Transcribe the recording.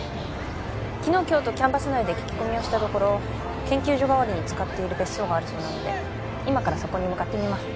昨日今日とキャンパス内で聞き込みをしたところ研究所代わりに使っている別荘があるそうなので今からそこに向かってみます